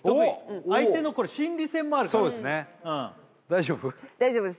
相手のこれ心理戦もあるから大丈夫です